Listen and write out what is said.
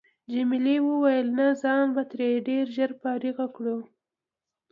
جميلې وويل: نه ځان به ترې ډېر ژر فارغ کړو.